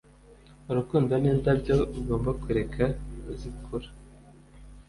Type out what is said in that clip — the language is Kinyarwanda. urukundo nindabyo ugomba kureka zikura